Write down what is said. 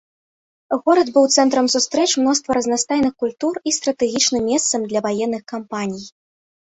Горад быў цэнтрам сустрэч мноства разнастайных культур і стратэгічным месцам для ваенных кампаній.